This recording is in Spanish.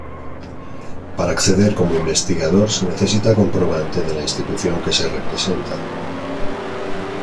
Para acceder como investigador se necesita comprobante de la institución que se representa.